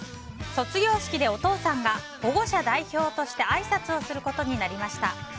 卒業式でお父さんが保護者代表としてあいさつをすることになりました。